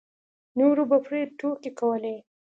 نورو به پرې ټوکې کولې.